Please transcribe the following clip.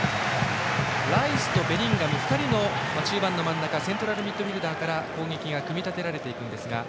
ライスとベリンガム、２人の中盤の真ん中セントラルミッドフィールダーから攻撃が組み立てられていきますが。